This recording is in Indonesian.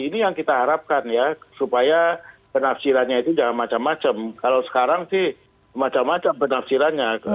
ini yang kita harapkan ya supaya penafsirannya itu jangan macam macam kalau sekarang sih macam macam penafsirannya